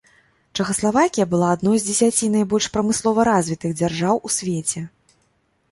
Чэхаславакія была адной з дзесяці найбольш прамыслова развітых дзяржаў у свеце.